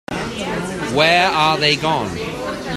Where are they gone?